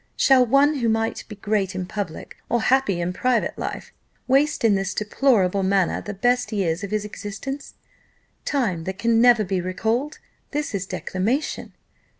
Shall one, who might be great in public, or happy in private life, waste in this deplorable manner the best years of his existence time that can never be recalled? This is declamation!